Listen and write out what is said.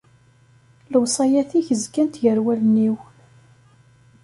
Lewṣayat-ik zgant gar wallen-iw.